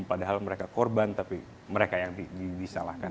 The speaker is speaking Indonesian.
padahal mereka korban tapi mereka yang disalahkan